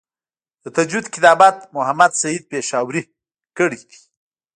د تجوید کتابت محمد سعید پشاوری کړی دی.